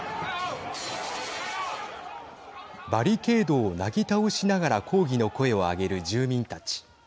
バリケードをなぎ倒しながら抗議の声を上げる住民たち。